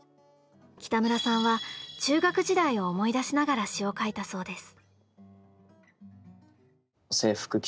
北村さんは中学時代を思い出しながら詞を書いたそうです。